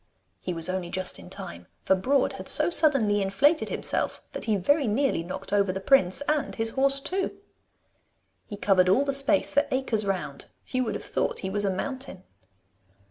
He was only just in time, for Broad had so suddenly inflated himself that he very nearly knocked over the prince and his horse too. He covered all the space for acres round. You would have thought he was a mountain!